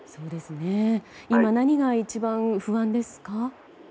今、何が一番不安ですか？